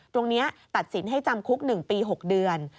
ตรงนี้ตัดสินให้จำคุก๑ปี๖เดือน